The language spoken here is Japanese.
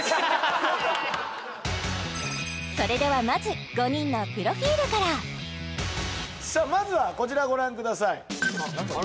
それではまず５人のプロフィールからまずはこちらご覧ください